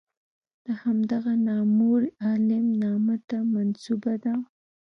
د همدغه نامور عالم نامه ته منسوبه ده.